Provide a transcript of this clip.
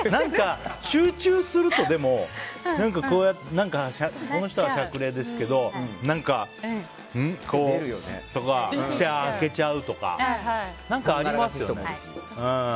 集中するとこの人は、しゃくれですけど何かこう、口開けちゃうとか何かありますよね。